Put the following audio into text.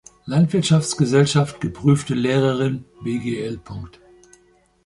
Landwirthschafts-Gesellschaft", "geprüfte Lehrerin", "bgl.